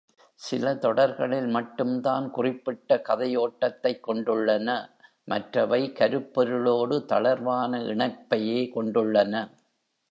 சில தொடர்களில் மட்டும்தான் குறிப்பிட்ட கதையோட்டத்தைக் கொண்டுள்ளன, மற்றவை கருப்பொருளோடு தளர்வான இணைப்பையே கொண்டுள்ளன.